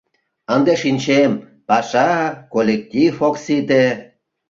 Ынде шинчем: паша, коллектив ок сите.